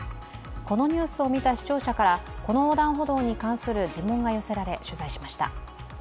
このニュースを見た視聴者からこの横断歩道に関する疑問が寄せられ、取材しました。